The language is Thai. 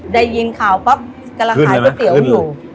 ได้ยินข่าวเพราะกำลังขายก๋วยเตี๋ยวอยู่ขึ้นเลยมั้ย